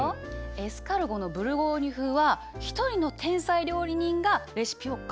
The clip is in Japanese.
エスカルゴのブルゴーニュ風は一人の天才料理人がレシピを完成させたの。